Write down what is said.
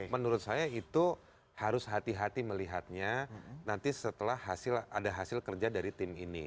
menurut saya itu harus hati hati melihatnya nanti setelah ada hasil kerja dari tim ini